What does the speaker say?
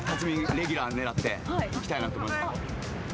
レギュラー狙っていきたいなと思います。